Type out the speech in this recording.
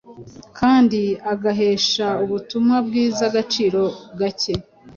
kandi agahesha ubutumwa bwiza agaciro gake,